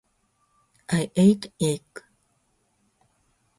I ate egg.